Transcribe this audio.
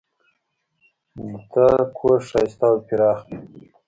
د تا کور ښایسته او پراخ ده